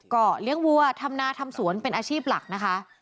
ก็เลี้ยงวัวทำนาทำสวนเป็นอาชีพหลักนะคะ